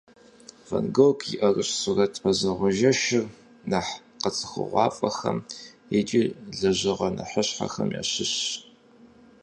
Ван Гог и ӏэрыщӏ сурэт «Мазэгъуэ жэщыр» нэхъ къэцӏыхугъуафӏэхэм икӏи лэжьыгъэ нэхъыщхьэхэм ящыщщ.